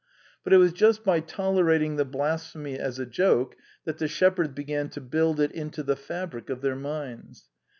But it was just by tolerating the blasphemy as a joke that the shepherds began to build it into the fabric of their minds.